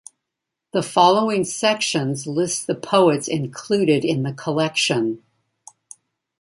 The following sections list the poets included in the collection.